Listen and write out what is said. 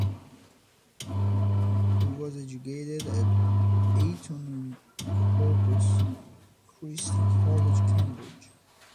He was educated at Eton and Corpus Christi College, Cambridge.